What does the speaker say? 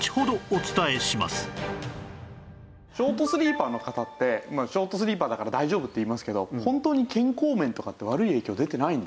ショートスリーパーの方ってショートスリーパーだから大丈夫っていいますけど本当に健康面とかって悪い影響出てないんですかね？